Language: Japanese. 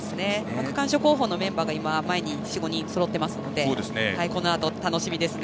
区間賞候補のメンバーが前にそろっているのでこのあと楽しみですね。